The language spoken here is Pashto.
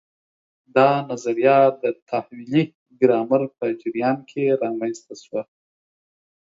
دا نظریه د تحویلي ګرامر په جریان کې رامنځته شوه.